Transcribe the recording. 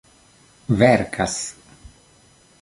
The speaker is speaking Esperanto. verkas